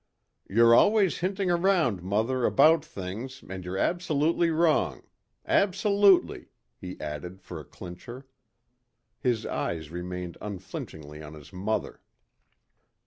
"You're always hinting around, mother, about things and you're absolutely wrong. Absolutely," he added for a clincher. His eyes remained unflinchingly on his mother.